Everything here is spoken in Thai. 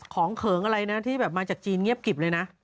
เขิงอะไรนะที่แบบมาจากจีนเงียบกิบเลยนะ